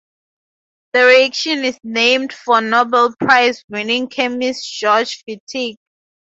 The reaction is named for Nobel Prize winning chemist Georg Wittig.